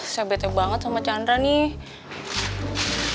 saya bete banget sama chandra nih